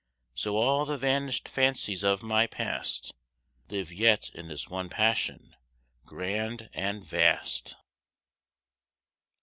So all the vanished fancies of my past Live yet in this one passion, grand and vast.